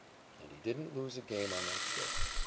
_And he didn't lose a game on that trip.